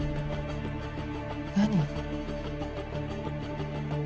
何？